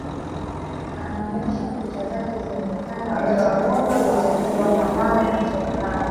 Anaonesha kuta zake zenye upana wa mita moja zilizojengwa kwa mawe na chokaa